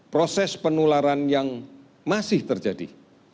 proses penularan yang masih terjadi